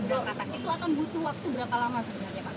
keberangkatan itu akan butuh waktu berapa lama sebenarnya pak